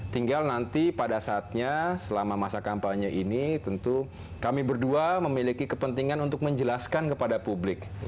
tinggal nanti pada saatnya selama masa kampanye ini tentu kami berdua memiliki kepentingan untuk menjelaskan kepada publik